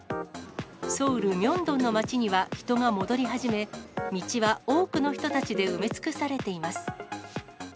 ソウル・ミョンドンの街には人が戻り始め、道は多くの人たちで埋め尽くされています。